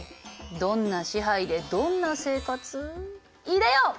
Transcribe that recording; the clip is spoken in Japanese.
どんな支配でどんな生活いでよ！